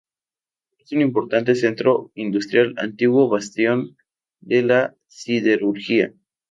Es un importante centro industrial, antiguo bastión de la siderurgia.